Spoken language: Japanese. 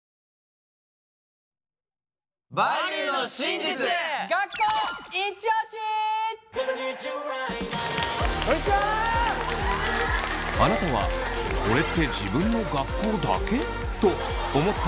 あなたは「これって自分の学校だけ？」と思ったことありませんか？